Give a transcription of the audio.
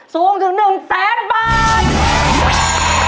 สูงถึงหนึ่งแสนบาท